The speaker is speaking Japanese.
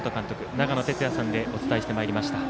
長野哲也さんでお伝えしてまいりました。